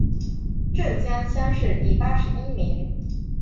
浙江乡试第八十一名。